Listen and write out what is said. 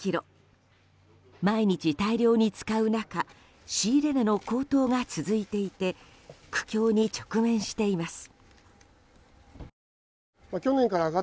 毎日、大量に使う中仕入れ値の高騰が続いていて苦境に直面しています。